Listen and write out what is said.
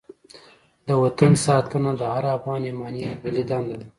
د وطن ساتنه د هر افغان ایماني او ملي دنده ده.